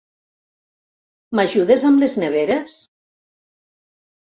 M'ajudes amb les neveres?